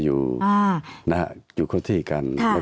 ตั้งแต่เริ่มมีเรื่องแล้ว